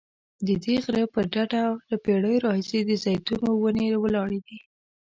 ددې غره پر ډډه له پیړیو راهیسې د زیتونو ونې ولاړې دي.